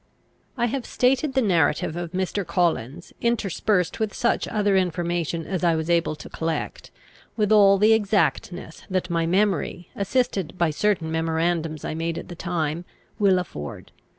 I have stated the narrative of Mr. Collins, interspersed with such other information as I was able to collect, with all the exactness that my memory, assisted by certain memorandums I made at the time, will afford.